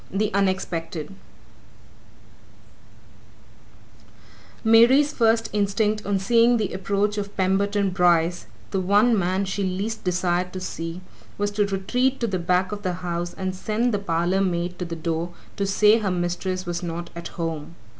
THE UNEXPECTED Mary's first instinct on seeing the approach of Pemberton Bryce, the one man she least desired to see, was to retreat to the back of the house and send the parlourmaid to the door to say her mistress was not at home.